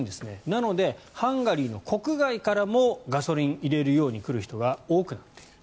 なのでハンガリー国外からもガソリン入れるように来る人が多くなっている。